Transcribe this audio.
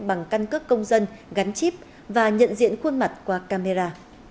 bằng căn cước công dân gắn chip và nhận diện khuôn mặt qua camera